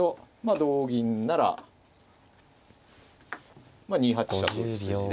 同銀なら２八飛車と打つ筋で。